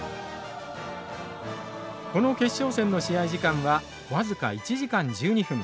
この決勝戦の試合時間は僅か１時間１２分。